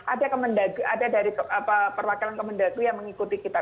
ada dari perwakilan kemendagri yang mengikuti kita